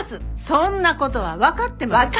そんな事はわかってます。